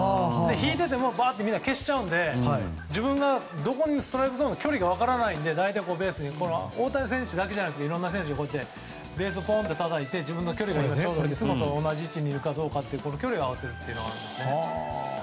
引いていてもみんな消しちゃうので自分がどこにストライクゾーンとの距離が分からないので大谷選手だけじゃないですけどいろんな選手がベースをたたいて自分の距離がいつもと同じにいるかどうか距離を合わせているんですね。